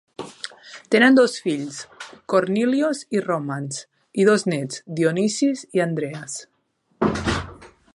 Tenen dos fills, Kornilios i Romans, i dos néts, Dionisis i Andreas.